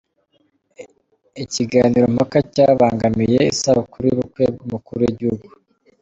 Ikiganirompaka cyabangamiye isabukuru y’ubukwe bw’umukuru wigihugu